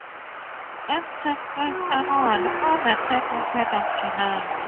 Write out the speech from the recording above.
It takes place annually, on the third weekend of July.